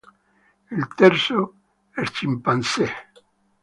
Il terzo scimpanzé.